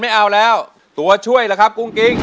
ไม่เอาแล้วตัวช่วยล่ะครับกุ้งกิ๊ง